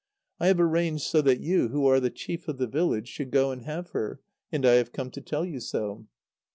I have arranged so that you, who are the chief of the village, should go and have her, and I have come to tell you so.